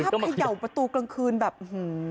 ดูครับเขย่าประตูกลางคืนแบบหื้อ